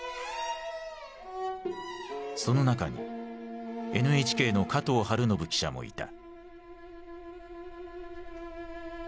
その中にＮＨＫの加藤青延記者もいた。